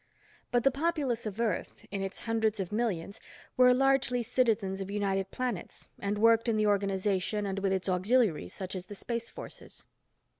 But the populace of Earth, in its hundreds of millions were largely citizens of United Planets and worked in the organization and with its auxiliaries such as the Space Forces.